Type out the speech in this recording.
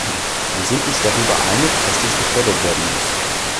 Wir sind uns darüber einig, dass dies gefördert werden muss.